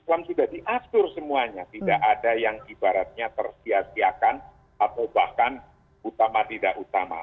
islam sudah diatur semuanya tidak ada yang ibaratnya tersiasiakan atau bahkan utama tidak utama